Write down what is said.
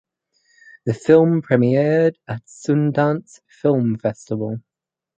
The film premiered at Sundance Film Festival.